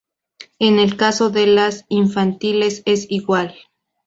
En el caso de las infantiles es igual.